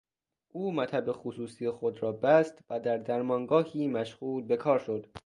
او مطب خصوصی خود را بست و در درمانگاهی مشغول به کار شد.